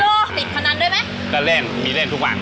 โล่ติดคำนั้นด้วยไหมแล้วเล่นมีเล่นทุกวัน